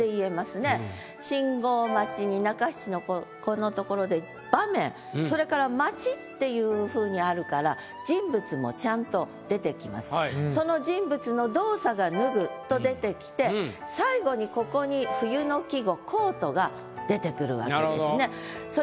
中七のここのところでそれから「待ち」っていうふうにあるからその人物の動作が「脱ぐ」と出てきて最後にここに冬の季語「コート」が出てくるわけですね。